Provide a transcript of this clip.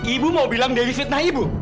ibu mau bilang demi fitnah ibu